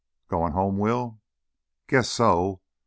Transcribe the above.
"Goin' home, Will?" "Guess so.